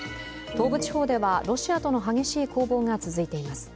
東部地方ではロシアとの激しい攻防が続いています。